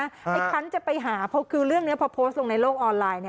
ไอ้คันจะไปหาเพราะคือเรื่องนี้พอโพสต์ลงในโลกออนไลน์